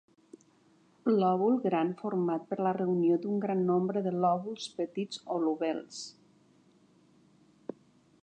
Lòbul gran format per la reunió d'un gran nombre de lòbuls petits o lobels.